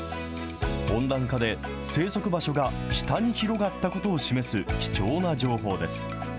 温暖化で生息場所が北に広がったことを示す貴重な情報です。